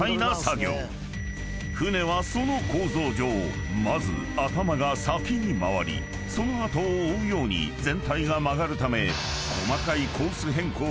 ［艦はその構造上まず頭が先に回りその後を追うように全体が曲がるため］